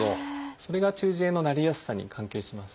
それが中耳炎のなりやすさに関係します。